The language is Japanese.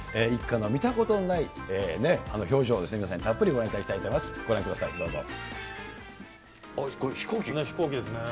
一家の見たことのない表情を皆さんにたっぷりご覧いただきたいと思います。